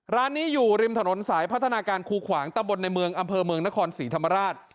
ร้านนี้อยู่ริมถนนสายพัฒนาการคูขวางตะบนในเมืองอำเภอเมืองนครศรีธรรมราช